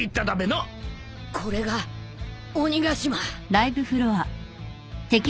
これが鬼ヶ島。